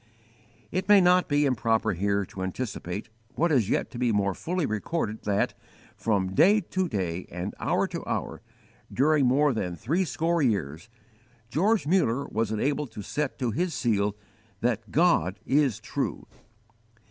It may not be improper here to anticipate, what is yet to be more fully recorded, that, from day to day and hour to hour, during more than threescore years, George Muller was enabled to set to his seal that God is true.